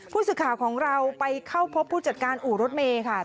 ผู้สื่อข่าวของเราไปเข้าพบผู้จัดการอู่รถเมย์ค่ะ